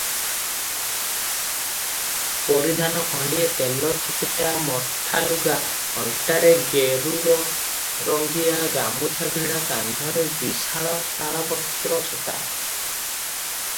ପରିଧାନ ଖଣ୍ତିଏ ତେଲ ଚିକିଟା ମଠାଲୁଗା, ଅଣ୍ଟାରେ ଗେରୁରଙ୍ଗିଆ ଗାମୁଛାଭିଡ଼ା, କାନ୍ଧରେ ବିଶାଳ ତାଳପତ୍ର ଛତା ।